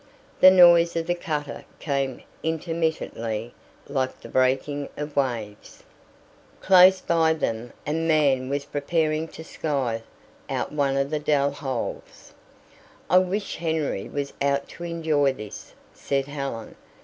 The noise of the cutter came intermittently, like the breaking of waves. Close by them a man was preparing to scythe out one of the dell holes. "I wish Henry was out to enjoy this," said Helen.